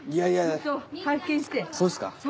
そうですか？